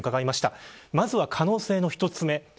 まずは可能性の１つ目